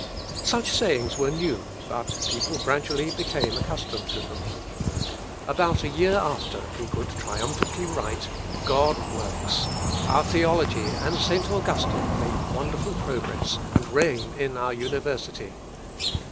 Such sayings were new, but people gradually became accustomed to them. About a year after he could triumphantly write "God works. Our theology and St. Augustine make wonderful progress, and reign in our university.